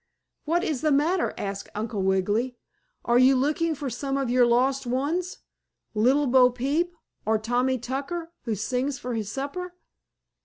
"What is the matter?" asked Uncle Wiggily. "Are you looking for some of your lost ones Little Bopeep or Tommy Tucker, who sings for his supper?"